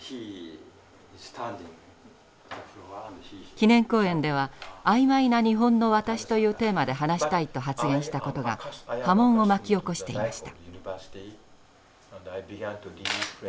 記念講演では「あいまいな日本の私」というテーマで話したいと発言したことが波紋を巻き起こしていました。